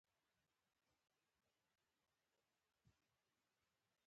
چې د ده پر جګړنۍ رتبه یې دلالت کاوه، رتبه یې لوړه وه.